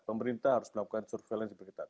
pemerintah harus melakukan surveillance diperketat